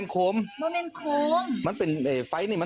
ครับ